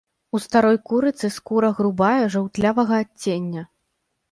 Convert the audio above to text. У старой курыцы скура грубая, жаўтлявага адцення.